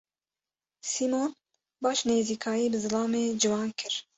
Sîmon baş nêzîkayî bi zilamê ciwan kir.